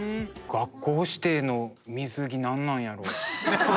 学校指定の水着何なんやろう？